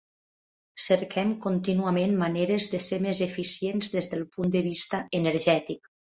Cerquem contínuament maneres de ser més eficients des del punt de vista energètic.